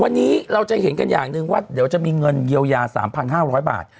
วันนี้เราจะเห็นกันอย่างหนึ่งว่าเดี๋ยวจะมีเงินเยียวยา๓๕๐๐บาท